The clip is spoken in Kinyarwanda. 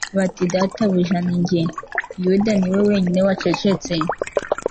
bati "Databuja ninjye?" Yuda ni we wenyine wacecetse.